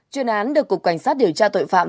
chuyên án được cục cảnh sát điều tra tội phạm